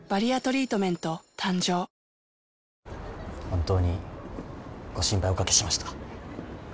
本当にご心配おかけしました。